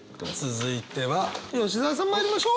続いては吉澤さんまいりましょう！